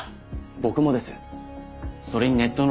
僕もです。